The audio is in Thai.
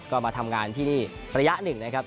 ก็มาทำงานที่นี่ระยะหนึ่งนะครับ